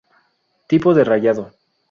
Tipo de rayado.